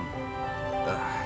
berhati suci kamu